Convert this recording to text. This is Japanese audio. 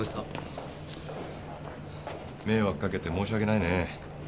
迷惑かけて申し訳ないね。